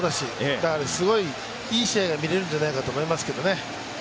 だからすごいいい試合が見れるんじゃないかと思いますけどね。